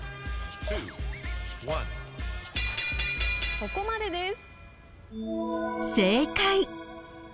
そこまでです。